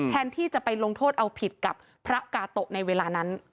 แทนที่จะไปลงโทษเอาผิดกับพระกาโตะในเวลานั้น